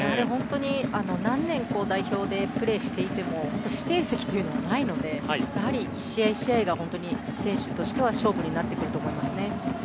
何年、代表でプレーしていても指定席というのはないので１試合１試合が本当に、選手としては勝負になってくると思います。